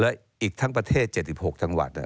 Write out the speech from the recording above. และอีกทั้งประเทศ๗๖จังหวัด